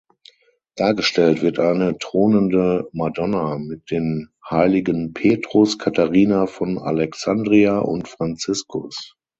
Dargestellt wird eine thronende Madonna mit den Heiligen Petrus, Katharina von Alexandria und Franziskus.